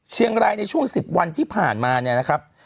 เชียงรายในช่วง๑๐วันที่ผ่านมา